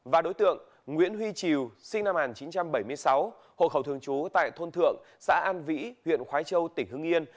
và đối tượng nguyễn huy triều sinh năm một nghìn chín trăm bảy mươi sáu hộ khẩu thường trú tại thôn thượng xã an vĩ huyện khói châu tỉnh hưng yên